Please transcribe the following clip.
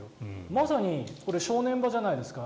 まさに正念場じゃないですか。